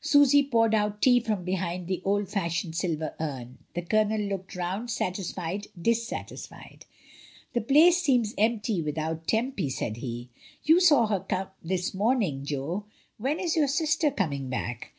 Susy poured out tea from behind the old fashioned silver urn. The Colonel looked round, satisfied, dis satisfied. "The place seems empty without Tempy," said he. "You saw her this morning, Jo; when is your sister coming back?"